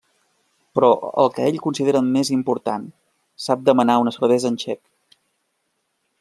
Però, el que ell considera més important, sap demanar una cervesa en txec.